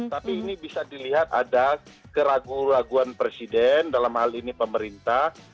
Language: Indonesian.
tapi ini bisa dilihat ada keraguan keraguan presiden dalam hal ini pemerintah